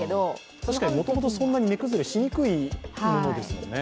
確かに、もともとそんなに値崩れしにくいものですもんね。